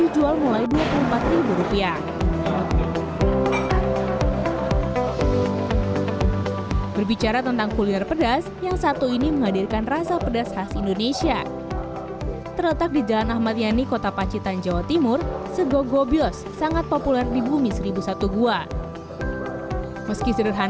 jadi benar benar pedas banget